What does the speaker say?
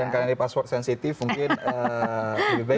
dan karena ini password sensitif mungkin lebih baik